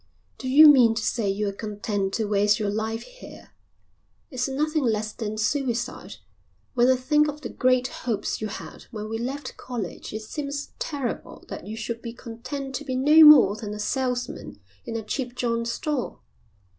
"Do you mean to say you're content to waste your life here? It's nothing less than suicide. When I think of the great hopes you had when we left college it seems terrible that you should be content to be no more than a salesman in a cheap John store."